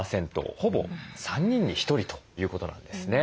ほぼ３人に１人ということなんですね。